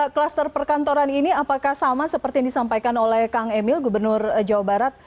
kluster perkantoran ini apakah sama seperti yang disampaikan oleh kang emil gubernur jawa barat